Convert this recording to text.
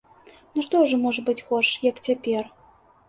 Ну што ўжо можа быць горш, як цяпер?